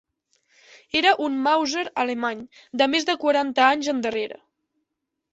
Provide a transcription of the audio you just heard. Era un màuser alemany, de més de quaranta anys endarrere